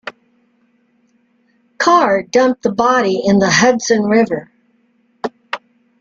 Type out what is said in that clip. Carr dumped the body in the Hudson River.